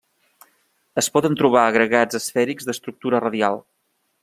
Es poden trobar agregats esfèrics d'estructura radial.